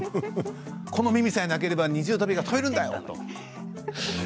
この耳さえなければ二重跳びが跳べるんだよ。